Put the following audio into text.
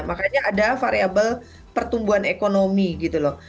makanya ada variable pertumbuhan ekonomi gitu loh